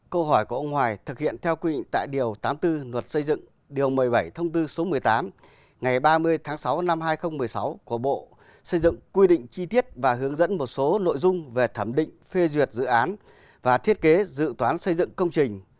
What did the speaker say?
câu hỏi của ông hoài thực hiện theo quy định tại điều tám mươi bốn luật xây dựng điều một mươi bảy thông tư số một mươi tám ngày ba mươi tháng sáu năm hai nghìn một mươi sáu của bộ xây dựng quy định chi tiết và hướng dẫn một số nội dung về thẩm định phê duyệt dự án và thiết kế dự toán xây dựng công trình